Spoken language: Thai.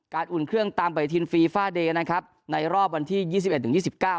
อุ่นเครื่องตามปฏิทินฟีฟ่าเดย์นะครับในรอบวันที่ยี่สิบเอ็ดถึงยี่สิบเก้า